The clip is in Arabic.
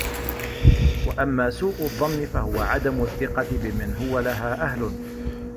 وَأَمَّا سُوءُ الظَّنِّ فَهُوَ عَدَمُ الثِّقَةِ بِمَنْ هُوَ لَهَا أَهْلٌ